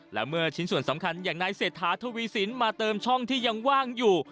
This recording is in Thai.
และเมื่อชิ้นส่วนสำคัญอย่างนายเศรษฐาทวีสินมาเติมช่องที่ยังว่างอยู่